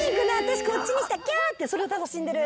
「私こっちにしたキャー」ってそれを楽しんでる。